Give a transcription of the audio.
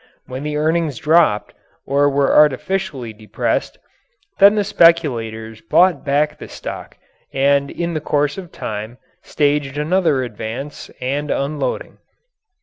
When the earnings dropped or were artificially depressed, then the speculators bought back the stock and in the course of time staged another advance and unloading.